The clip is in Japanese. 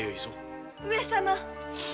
上様。